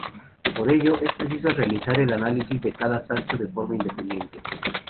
Por ello, es preciso realizar el análisis de cada saxo de forma independiente.